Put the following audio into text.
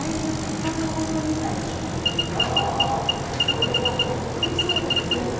それは本当にそうですね！